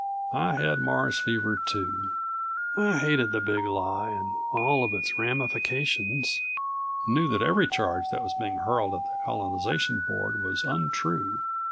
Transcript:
I had Mars fever too. I hated the Big Lie and all of its ramifications, knew that every charge that was being hurled at the Colonization Board was untrue.